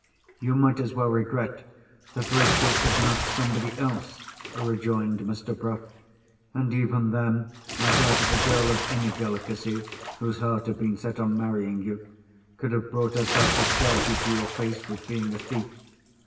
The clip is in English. "You might as well regret that Rachel is not somebody else," rejoined Mr. Bruff. "And even then, I doubt if a girl of any delicacy, whose heart had been set on marrying you, could have brought herself to charge you to your face with being a thief.